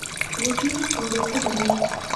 غوټۍ یې غوړېدلې وې.